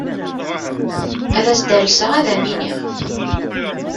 Ad s-d-alseɣ, ad am-iniɣ.